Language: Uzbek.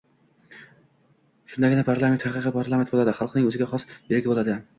Shundagina parlament – haqiqiy parlament bo‘ladi. Xalqning o‘ziga xos... yuragi bo‘ladi.